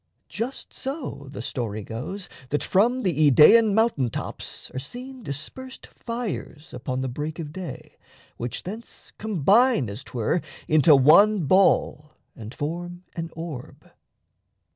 Just so the story goes That from the Idaean mountain tops are seen Dispersed fires upon the break of day Which thence combine, as 'twere, into one ball And form an orb.